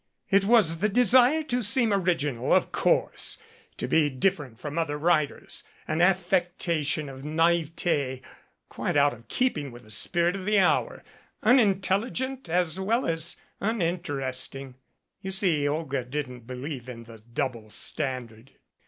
It was the desire to seem original, of course, to be different from other writers an affectation of naivete, quite out of keeping with the spirit of the hour unintelligent as well as uninteresting. (You see Olga didn't believe in the double standard.)